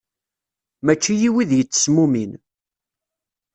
Mačči i wid yettesmumin.